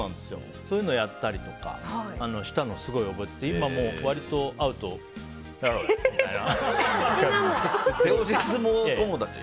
そういうのをやったりとかしたのを、すごい覚えてて今も割と会うと手押し相撲友達？